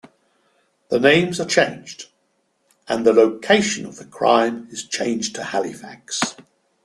The names are changed and the location of the crime is changed to Halifax.